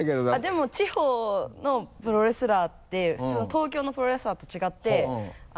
でも地方のプロレスラーって普通の東京のプロレスラーと違って。